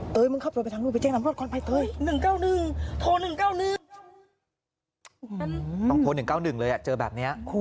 ต้องโทร๑๙๑เลยเจอแบบนี้